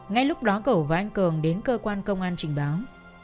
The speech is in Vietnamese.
ngay lúc đó cầu và anh cường đến cơ quan công an trình báo